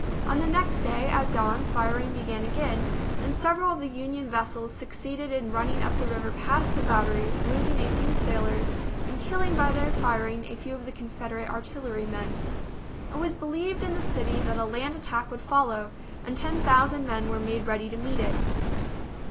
On the next day, at dawn, firing began again, and several of the Union vessels succeeded in run ning up the river past the batteries, losing a few sailors and killing by their firing a few of the Con federate artillerymen. It was believed in the city that a land attack would follow, and ten thousand men were made ready to meet it.